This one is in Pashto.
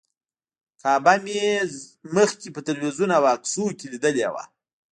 کعبه مې مخکې په تلویزیون او عکسونو کې لیدلې وه.